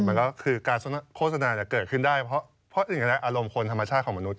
มันก็คือการโฆษณาเกิดขึ้นได้เพราะถึงอารมณ์คนธรรมชาติของมนุษย